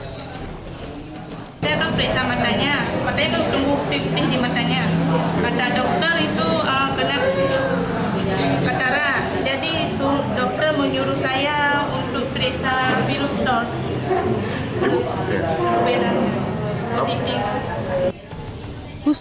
karena jadi dokter menyuruh saya untuk beresan virus dos